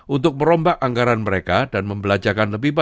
untuk merombak anggaran mereka dan membelajarkan lebih lanjut